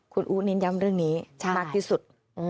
คุณอู๋นิยมเรื่องนี้มากที่สุด